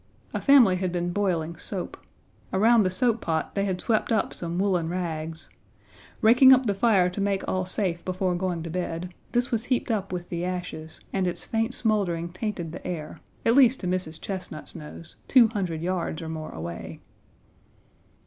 A family had been boiling soap. Around the soap pot they had swept up some woolen rags. Raking up the fire to make all safe before going to bed, this was heaped up with the ashes, and its faint smoldering tainted the air, at least to Mrs. Chesnut's nose, two hundred yards or more away.